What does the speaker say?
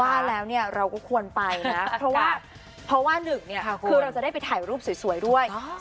ว่าแล้วเนี่ยเราก็ควรไปนะเพราะว่า๑คือเราจะได้ไปถ่ายรูปสวยด้วย